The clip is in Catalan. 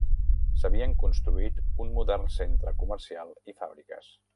S'havien construït un modern centre comercial i fàbriques.